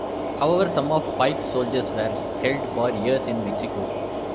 However, some of Pike's soldiers were held for years in Mexico.